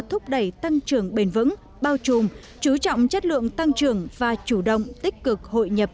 thúc đẩy tăng trưởng bền vững bao trùm chú trọng chất lượng tăng trưởng và chủ động tích cực hội nhập